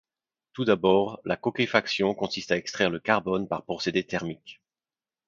Tout d’abord, la cokéfaction consiste à extraire le carbone par procédé thermique.